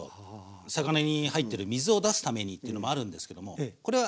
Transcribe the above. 魚に入ってる水を出すためにっていうのもあるんですけどもこれは味付けのため。